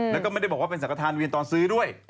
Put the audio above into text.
แล้วก็ไม่ได้บอกว่าเป็นสังฆฐานเวียนตอนซื้อด้วย